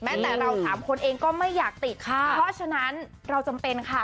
แต่เราสามคนเองก็ไม่อยากติดค่ะเพราะฉะนั้นเราจำเป็นค่ะ